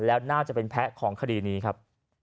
แล้วน่าจะเป็นแพ้ของคดีนี้ครับ